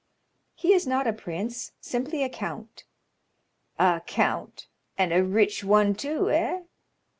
"He is not a prince; simply a count." "A count, and a rich one too, eh?"